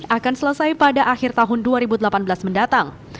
akan selesai pada akhir tahun dua ribu delapan belas mendatang